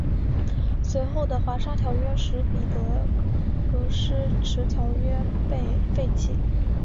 随后的华沙条约使彼得戈施迟条约被废弃。